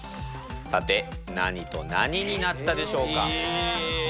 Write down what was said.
さて何と何になったでしょうか？